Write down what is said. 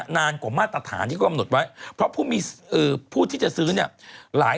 นานกว่ามาตรฐานที่ก็อำนุษย์ไว้เพราะผู้ที่จะซื้อเนี่ย